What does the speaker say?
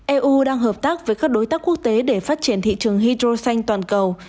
eu đang hợp tác với các đối tác quốc tế để phát triển thị trường hydro xanh toàn cầu